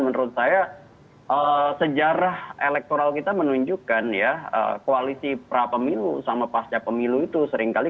menurut saya sejarah elektoral kita menunjukkan ya koalisi prapemilu sama pasca pemilu itu seringkali